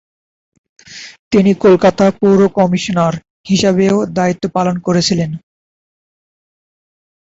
তিনি কলকাতা পৌর কমিশনার হিসাবেও দায়িত্ব পালন করেছিলেন।